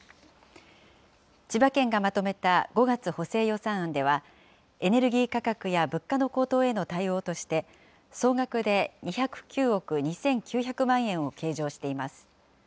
千葉県がまとめた５月補正予算案では、エネルギー価格や物価の高騰への対応として、総額で２０９億２９００万円を計上しています。